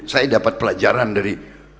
saya dapat pelajaran dari